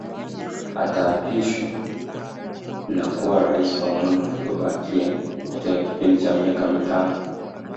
Ataapishwa na kuwa Rais wa muda uliobakia katika kipindi cha miaka mitano